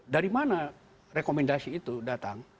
dari mana rekomendasi itu datang